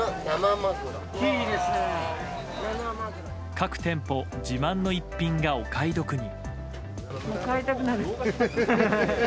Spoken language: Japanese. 各店舗自慢の一品がお買い得に。